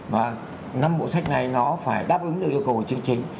và năm bộ sách này nó phải đáp ứng được yêu cầu của chương trình